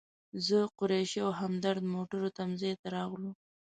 زه، قریشي او همدرد موټرو تم ځای ته راغلو.